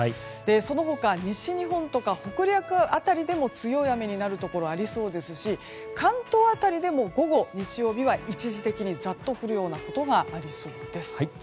その他、西日本や北陸辺りでも強い雨になるところがありそうですし関東辺りでも、午後、日曜日は一時的にざっと降るようなことがありそうです。